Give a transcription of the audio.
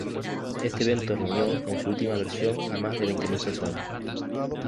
Este evento reunió en su última versión a más de veinte mil personas.